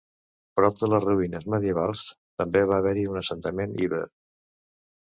Prop de les ruïnes medievals també va haver-hi un assentament iber.